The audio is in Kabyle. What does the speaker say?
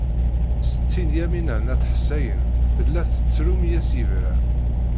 Setti Lyamina n At Ḥsayen tella tettru mi as-yebra.